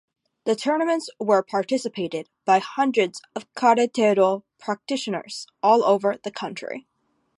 The tournaments were participated by hundreds of karatedo practitioners all over the country.